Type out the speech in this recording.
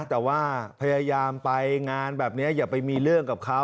แต่ว่าพยายามไปงานแบบนี้อย่าไปมีเรื่องกับเขา